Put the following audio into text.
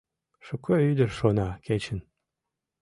Шуко ӱдыр шона кечын...